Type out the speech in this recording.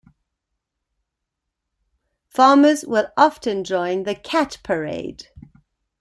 Farmers will often join the "Cat Parade".